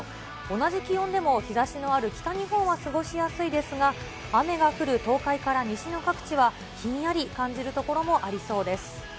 同じ気温でも日ざしのある北日本は過ごしやすいですが、雨が降る東海から西の各地はひんやり感じる所もありそうです。